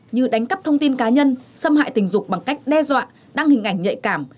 như đánh cắp thông tin cá nhân xâm hại tình dục bằng cách đe dọa đăng hình ảnh nhạy cảm